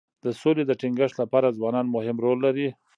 د سولې د ټینګښت لپاره ځوانان مهم رول لري.